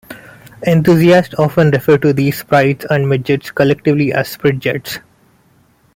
Enthusiasts often refer to these later Sprites and Midgets collectively as Spridgets.